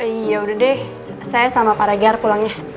ya udah deh saya sama pak reger pulangnya